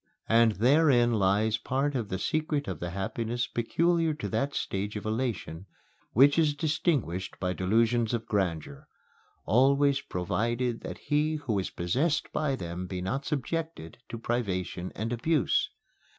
And therein lies part of the secret of the happiness peculiar to that stage of elation which is distinguished by delusions of grandeur always provided that he who is possessed by them be not subjected to privation and abuse.